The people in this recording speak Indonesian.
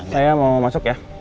saya mau masuk ya